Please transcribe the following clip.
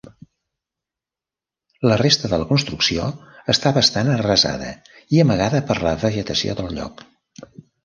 La resta de la construcció està bastant arrasada i amagada per la vegetació del lloc.